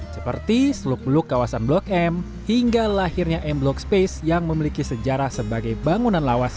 seperti seluk beluk kawasan blok m hingga lahirnya m blok space yang memiliki sejarah sebagai bangunan lawas